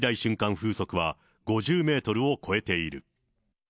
風速は５０メートルを超えている。